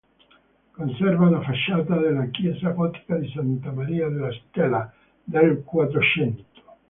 Conserva la facciata della chiesa gotica di Santa Maria della Stella, del Quattrocento.